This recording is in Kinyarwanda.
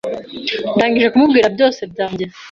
ndangije kumubwira byose byange,